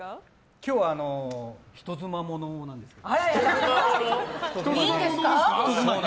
今日は人妻ものなんですけど。